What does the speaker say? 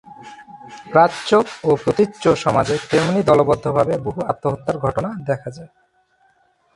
প্রাচ্য ও প্রতীচ্য সমাজে তেমনি দলবদ্ধভাবে বহু আত্মহত্যার ঘটনা দেখা যায়।